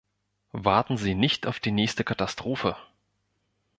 Warten Sie nicht auf die nächste Katastrophe!